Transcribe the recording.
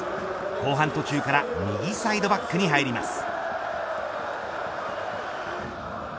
後半途中から右サイドバックに入ります。